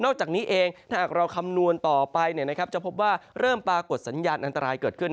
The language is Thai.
จากนี้เองถ้าหากเราคำนวณต่อไปจะพบว่าเริ่มปรากฏสัญญาณอันตรายเกิดขึ้น